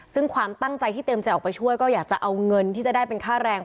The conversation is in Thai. ซึ่งความตั้งใจที่เตรียมใจออกไปช่วยก็อยากจะเอาเงินที่จะได้เป็นค่าแรง